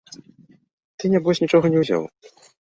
Ты нябось нічога не ўзяў.